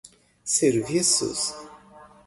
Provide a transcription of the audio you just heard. serviços